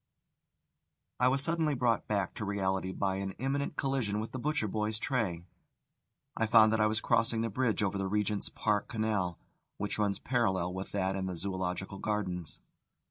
I was suddenly brought back to reality by an imminent collision with the butcher boy's tray. I found that I was crossing the bridge over the Regent's Park Canal, which runs parallel with that in the Zoological Gardens.